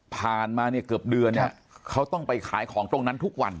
ผ่านมาเนี่ยเกือบเดือนเนี่ยเขาต้องไปขายของตรงนั้นทุกวัน